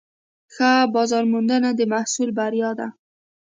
ښه بازارموندنه د محصول بریا ده.